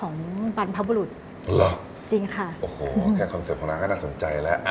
น่าสนใจแล้ว